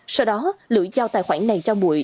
sau đó lữ giao tài khoản này cho mụi